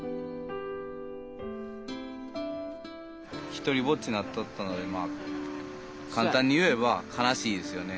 独りぼっちなっとったので簡単に言えば悲しいですよね。